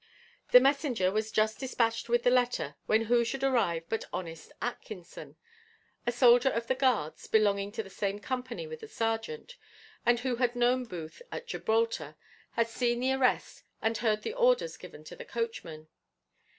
The messenger was just dispatched with the letter, when who should arrive but honest Atkinson? A soldier of the guards, belonging to the same company with the serjeant, and who had known Booth at Gibraltar, had seen the arrest, and heard the orders given to the coachman.